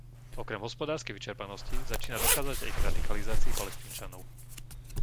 Okrem hospodárskej vyčerpanosti začína dochádzať aj k radikalizácii Palestínčanov.